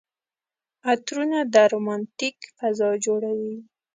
عطرونه د رومانتيک فضا جوړوي.